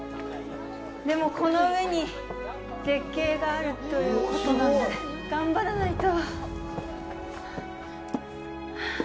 でも、この上に絶景があるということなので、頑張らないと。